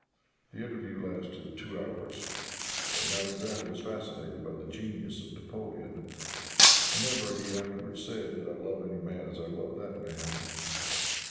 The interview lasted two hours, and Alexander was fascinated by the genius of Napoleon. "Never," he afterwards said, "did I love any man as I loved that man."